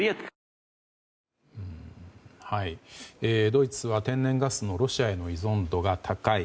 ドイツは天然ガスのロシアへの依存度が高い。